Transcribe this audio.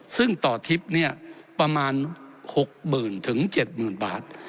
ซึ่งต่อทิพย์เนี่ยประมาณ๖๐๐๐๗๐๐บาท